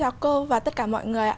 cháu chào cô và tất cả mọi người ạ